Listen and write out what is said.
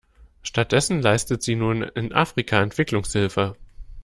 Stattdessen leistet sie nun in Afrika Entwicklungshilfe.